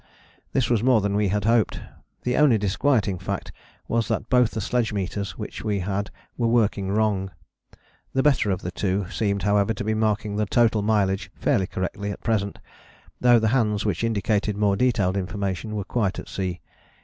This was more than we had hoped: the only disquieting fact was that both the sledge meters which we had were working wrong: the better of the two seemed however to be marking the total mileage fairly correctly at present, though the hands which indicated more detailed information were quite at sea.